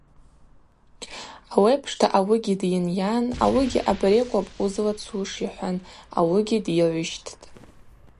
Ауепшта ауыгьи дйынйан ауыгьи абарекӏвапӏ уызлацуш йхӏван ауыгьи дйыгӏвищттӏ.